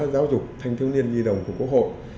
giáo dục thanh thương niên di đồng của quốc hội